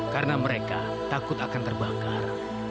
karena mereka takut akan terbakar